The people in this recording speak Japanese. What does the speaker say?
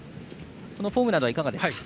このフォームなどはいかがですか？